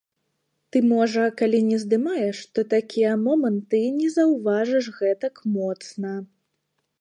Ты, можа, калі не здымаеш, то такія моманты і не заўважыш гэтак моцна.